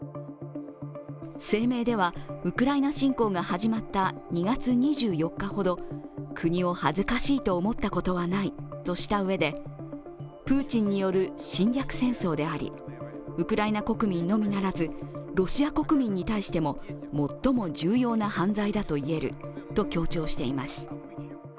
声明では、ウクライナ侵攻が始まった２月２４日ほど国を恥ずかしいと思ったことはないとしたうえでプーチンによる侵略戦争でありウクライナ国民のみならずロシア国民に対しても最も重要な犯罪だといえると強調しています。